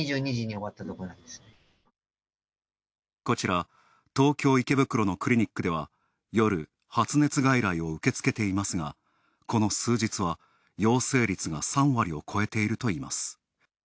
こちら東京・池袋のクリニックでは、夜、発熱外来を受け付けていますがこの数日は、陽性率が３割を超えているといいます。